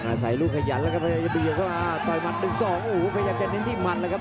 อาศัยลูกขยันแล้วครับพยายามจะดึงเข้ามา